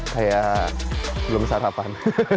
kayak belum sarapan